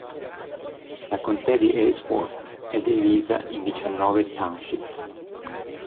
La contea di Ellsworth è divisa in diciannove township.